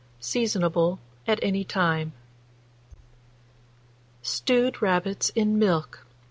Seasonable at any time. STEWED RABBITS IN MILK.